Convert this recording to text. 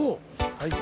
はい。